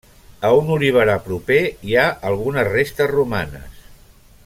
A un oliverar proper hi ha algunes restes romanes.